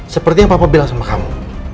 seperti yang papa bilang sama kamu